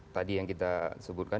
tadi yang kita sebutkan